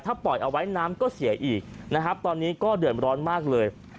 ถ้าปล่อยเอาไว้น้ำก็เสียอีกนะครับตอนนี้ก็เดือดร้อนมากเลย